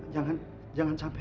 jangan jangan sampai